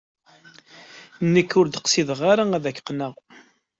Nekk ur d-qqsideɣ ara ad ak-qqneɣ.